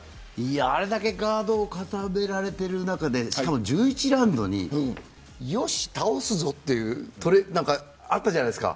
あれだけガードを固められている中でしかも１１ラウンドによし、倒すぞってあったじゃないですか。